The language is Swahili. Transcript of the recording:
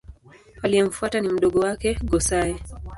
Aliyemfuata ni mdogo wake Go-Sai.